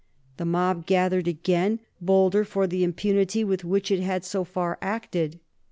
The mob gathered again, bolder for the impunity with which it had so far acted.